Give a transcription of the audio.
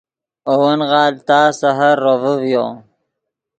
اے ون غالڤ تا سحر روڤے ڤیو